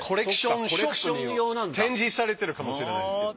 コレクション展示されてるかもしれないですけど。